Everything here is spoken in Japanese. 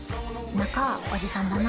中おじさんだな。